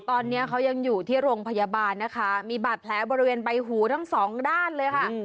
ตอนนี้เขายังอยู่ที่โรงพยาบาลนะคะมีบาดแผลบริเวณใบหูทั้งสองด้านเลยค่ะ